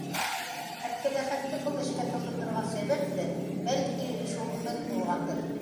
Әптеләхәтте был эшкә тотондорған сәбәп тә, бәлки, шул һын булғандыр.